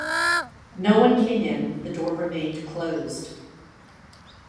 No one came in, the door remained closed.